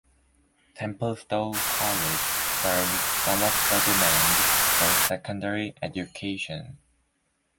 Templestowe College serves some of the demand for secondary education.